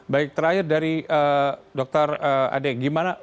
baik terakhir dari dokter adek